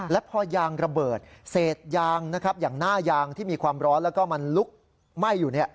และพอยางระเบิดเศษยางนะครับอย่างหน้ายางที่มีความร้อนแล้วก็มันลุกไหม้อยู่